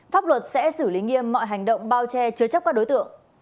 pháp luật sẽ xử lý nghiêm mọi hành động bao che chứa chấp các đối tượng